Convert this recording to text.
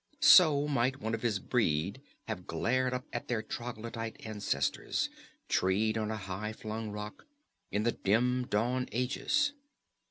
So might one of his breed have glared up at their troglodyte ancestors, treed on a high flung rock, in the dim dawn ages.